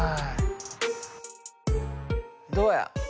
どうや？